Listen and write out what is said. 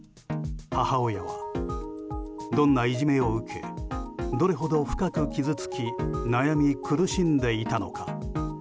母親はどんないじめを受けどれほど深く傷つき悩み苦しんでいたのか。